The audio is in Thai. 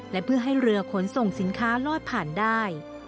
และเพื่อให้เรือขนส่งสินค้าลอดผ่านได้